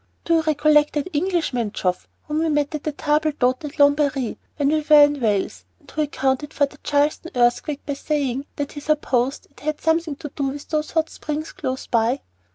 Do you recollect that Englishman, Geoff, whom we met at the table d'hôte at Llanberis, when we were in Wales, and who accounted for the Charleston earthquake by saying that he supposed it had something to do with those hot springs close by."